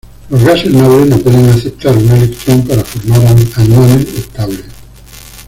Los gases nobles no pueden aceptar un electrón para formar aniones estables.